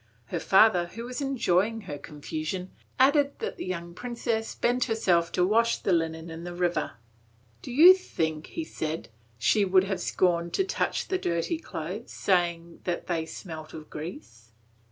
Her father, who was enjoying her confusion, added that the young princess bent herself to wash the linen in the river. "Do you think," said he, "she would have scorned to touch the dirty clothes, saying, that they smelt of grease?"